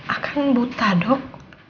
akan buta dok